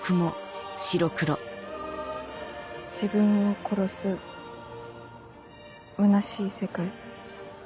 「自分を殺すむなしい世界」？